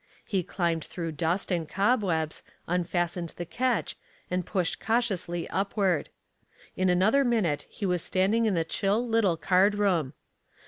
He climbed through dust and cobwebs, unfastened the catch, and pushed cautiously upward. In another minute he was standing in the chill little card room.